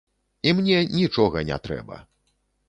І мне нічога не трэба.